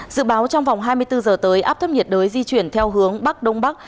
dự báo trong vòng hai mươi bốn giờ tới áp thấp nhiệt đới di chuyển theo hướng bắc đông bắc